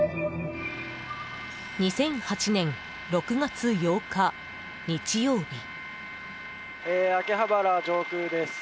２００８年６月８日、日曜日。